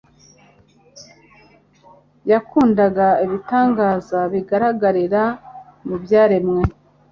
yakundaga ibitangaza bigaragarira mu byaremwe.